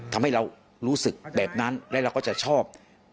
ทำให้เรารู้สึกแบบนั้นและเราก็จะชอบ